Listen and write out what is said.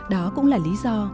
đó cũng là lý do